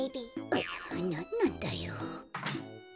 ううなんなんだよ。